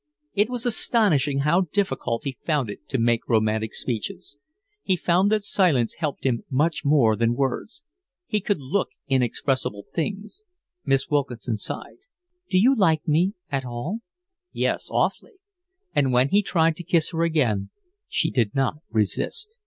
It was astonishing how difficult he found it to make romantic speeches. He found that silence helped him much more than words. He could look inexpressible things. Miss Wilkinson sighed. "Do you like me at all?" "Yes, awfully." When he tried to kiss her again she did not resist.